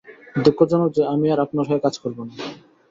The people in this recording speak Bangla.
দুঃখজনক যে, আমি আর আপনার হয়ে কাজ করব না।